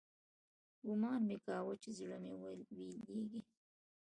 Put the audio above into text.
ګومان مې کاوه چې زړه مې ويلېږي.